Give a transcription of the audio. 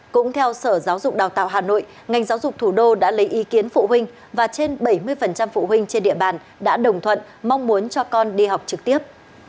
cũng theo sở giáo dục đào tạo hà nội ngành giáo dục thủ đô đã lấy ý kiến phụ huynh và trên bảy mươi phụ huynh trên địa bàn đã đồng thuận mong muốn cho con đi học trực tiếp